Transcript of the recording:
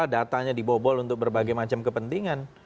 datanya dibobol untuk berbagai macam kepentingan